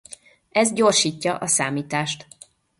Ez gyorsítja a számítást.